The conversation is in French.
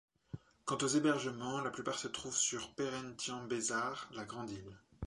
Quant aux hébergements, la plupart se trouvent sur Perhentian Besar, la grande île.